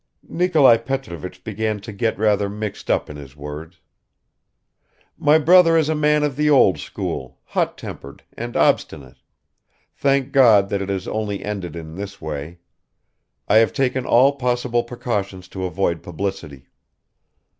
(Nikolai Petrovich began to get rather mixed up in his words.) "My brother is a man of the old school, hot tempered and obstinate ... thank God that it has only ended in this way. I have taken all possible precautions to avoid publicity."